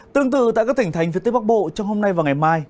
tương tự tại các tỉnh thành phía tây bắc bộ trong hôm nay và ngày mai